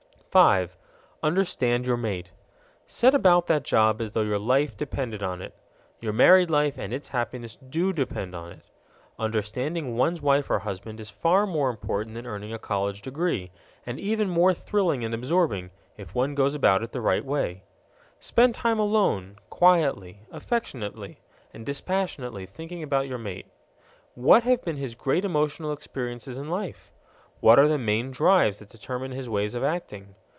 5. Understand your mate. Set about that job as though your life depended on it. Your married life and its happiness do depend on it. Understanding one's wife or husband is far more important than earning a college degree and even more thrilling and absorbing, if one goes about it in the right way. Spend time alone, quietly, affectionately, and dispassionately thinking about your mate. What have been his great emotional experiences in life? What are the main drives that determine his ways of acting?